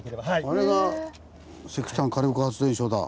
あれが石炭火力発電所だ。